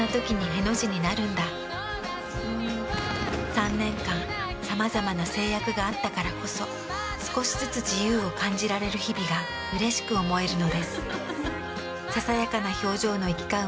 ３年間さまざまな制約があったからこそ少しずつ自由を感じられる日々がうれしく思えるのです。